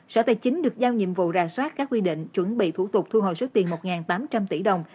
sở tài chính được giao nhiệm vụ rà soát các quy định chuẩn bị thủ tục thu hồi số tiền một tám trăm linh tỷ đồng